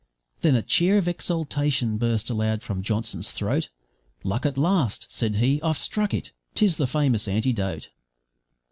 Then a cheer of exultation burst aloud from Johnson's throat; `Luck at last,' said he, `I've struck it! 'tis the famous antidote.'